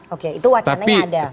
oke itu wacananya ada